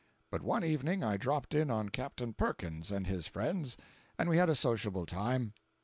But one evening I dropped in on Captain Perkins and his friends, and we had a sociable time.